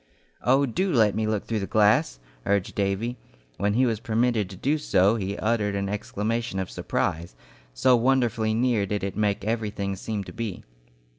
"Oh, do let me look through the glass!" urged Davy. When he was permitted to do so he uttered an exclamation of surprise, so wonderfully near did it make everything seem to be.